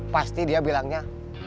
pasti dia bilangnya